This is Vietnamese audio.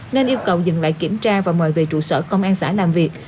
nên yêu cầu dừng lại kiểm tra và mời về trụ sở công an xã làm việc